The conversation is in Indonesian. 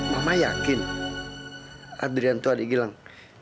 mama yakin adrian tuh adik gilang